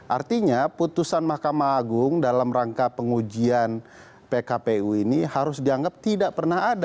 artinya putusan mahkamah agung dalam rangka pengujian pkpu ini harus dianggap tidak pernah ada